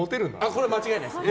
それは間違いないです。